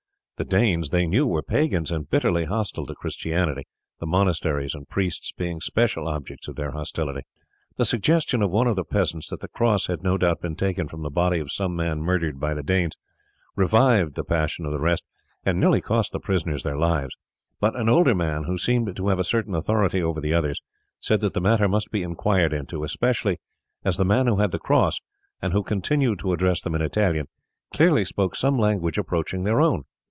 The Danes, they knew, were pagans and bitterly hostile to Christianity, the monasteries and priests being special objects of their hostility. The suggestion of one of the peasants, that the cross had no doubt been taken from the body of some man murdered by the Danes, revived the passion of the rest and nearly cost the prisoners their lives; but an older man who seemed to have a certain authority over the others said that the matter must be inquired into, especially as the man who had the cross, and who continued to address them in Italian, clearly spoke some language approaching their own.